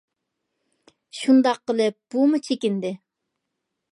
شۇنداق قىلىپ بۇمۇ چېكىندى.